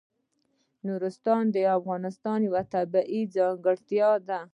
نورستان د افغانستان یوه طبیعي ځانګړتیا ده.